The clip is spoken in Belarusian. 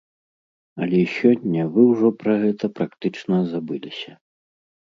Але сёння вы ўжо пра гэта практычна забыліся.